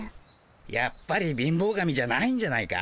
やっぱり貧乏神じゃないんじゃないか？